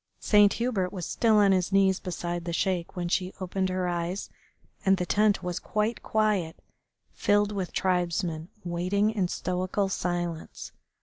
Saint Hubert was still on his knees beside the Sheik when she opened her eyes, and the tent was quite quiet, filled with tribesmen waiting in stoical silence.